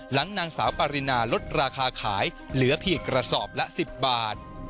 นางสาวปารินาลดราคาขายเหลือเพียงกระสอบละ๑๐บาท